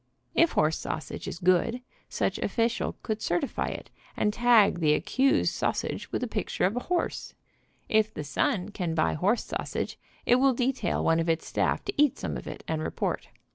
If horse sausage is good, such official could certify to it, and tag the accused sausage with a pic ture of a horse. If the Sun can buy horse sausage it will detail one of its staff to eat some of it and report.